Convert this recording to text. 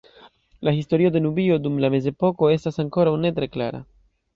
La historio de Nubio dum la mezepoko estas ankoraŭ ne tre klara.